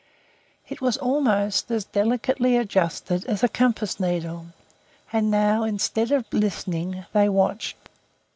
It was almost as delicately adjusted as a compass needle, and now instead of listening they watched.